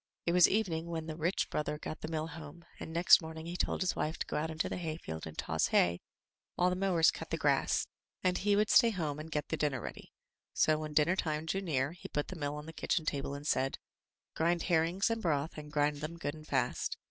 It was evening when the rich brother got the mill home, and next morning he told his wife to go out into the hayfield and toss hay while the mowers cut the grass, and he would stay i6i M Y BOOK HOUSE home and get the dinner ready, j So, when dinner time drew near, he put the mill on the kitchen table and said: "Grind herrings and broth, and grind them good and fast."